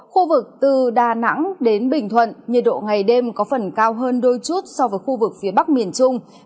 khu vực từ đà nẵng đến bình thuận nhiệt độ ngày đêm có phần cao hơn đôi chút so với khu vực phía bắc miền trung